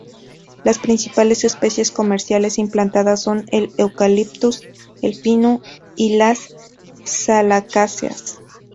Las principales especies comerciales implantadas son el eucaliptus, el pino y las salicáceas.